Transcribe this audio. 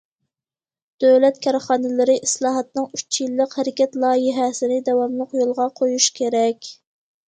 دۆلەت كارخانىلىرى ئىسلاھاتىنىڭ ئۈچ يىللىق ھەرىكەت لايىھەسىنى داۋاملىق يولغا قويۇش كېرەك.